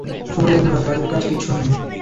শোনো, বন্ধুরা, কাজের কাজ কিচ্ছু হয়নি।